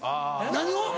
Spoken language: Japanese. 何を？